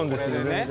全然。